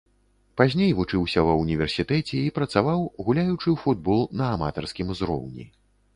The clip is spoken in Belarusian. Пазней вучыўся ва ўніверсітэце і працаваў, гуляючы ў футбол на аматарскім узроўні.